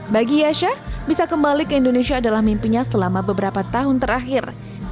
bagi yasyah bisa kembali ke indonesia adalah mimpinya selama beberapa tahun terakhir